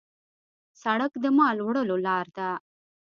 سړک د مال وړلو لار ده.